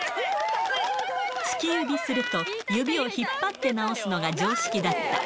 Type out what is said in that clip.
突き指すると、指を引っ張って治すのが常識だった。